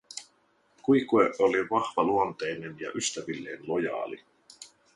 Quique oli vahvaluonteinen ja ystävilleen lojaali.